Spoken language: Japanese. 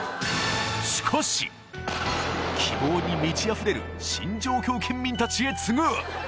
しかし、希望に満ちあふれる新上京県民たちへ告ぐ！